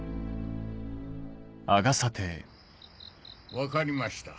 分かりました。